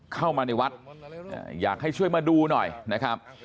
เข้ามาในวัดอยากให้ช่วยมาดูหน่อยนะครับ